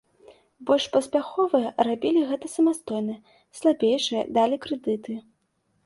Больш паспяховыя рабілі гэта самастойна, слабейшыя далі крэдыты.